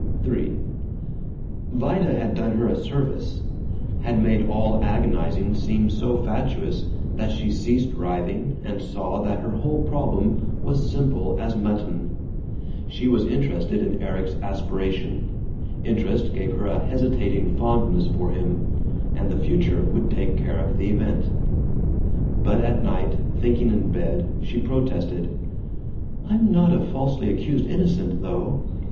III Vida had done her a service; had made all agonizing seem so fatuous that she ceased writhing and saw that her whole problem was simple as mutton: she was interested in Erik's aspiration; interest gave her a hesitating fondness for him; and the future would take care of the event. ... But at night, thinking in bed, she protested, "I'm not a falsely accused innocent, though!